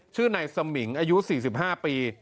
ชื่อนายสมิงอายุ๔๕ปี